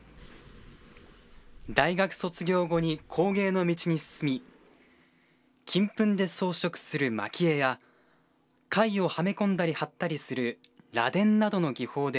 大学卒業後に工芸の道に進み、金粉で装飾するまき絵や、貝をはめ込んだり、貼ったりする螺鈿などの技法で、